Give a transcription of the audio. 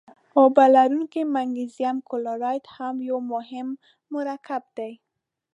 اوبه لرونکی مګنیزیم کلورایډ هم یو مهم مرکب دی.